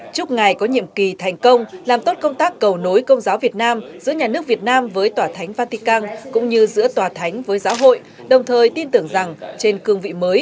chúc ngày có nhiệm kỳ thành công làm tốt công tác cầu nối công giáo việt nam